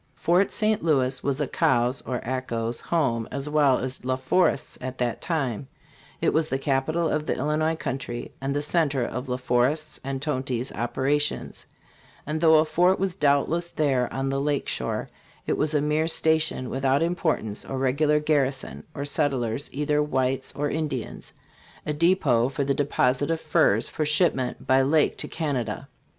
Fort St. Louis was Acau's (or Ako's) home as well as La Forest's at that time ; it was the capital of the Illinois country and the centre of La Forest's and Tonty's operations; and though a fort was doubtless there on the lake shore, it was a mere station without importance or regular garrison or settlers, either whites or Indians, a depot for the deposit of furs for shipment by lake to Canada.